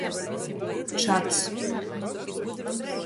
Čads.